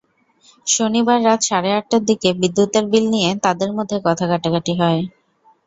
শনিবার রাত সাড়ে আটটার দিকে বিদ্যুতের বিল নিয়ে তাঁদের মধ্যে কথা-কাটাকাটি হয়।